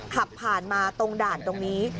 ขับผ่านมาตรงด่านตรงนี้